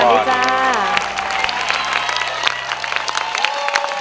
สวัสดีครับน้องปอน